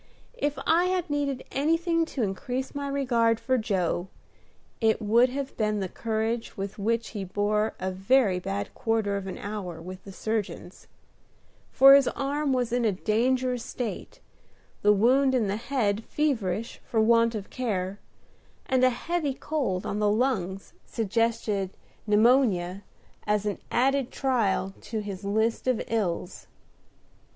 If I had needed anything to increase my regard for Joe, it would have been the courage with which he bore a very bad quarter of an hour with the surgeons; for his arm was in a dangerous state, the wound in the head feverish for want of care; and a heavy cold on the lungs suggested pneumonia as an added trial to his list of ills.